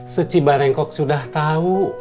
seci barengkok sudah tau